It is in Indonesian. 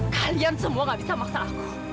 kalian semua gak bisa maksa aku